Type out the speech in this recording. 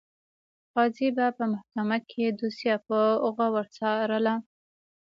قاضي به په محکمه کې دوسیه په غور څارله.